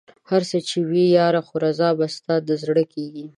هر څه چې وي ياره خو رضا به ستا د زړه کېږي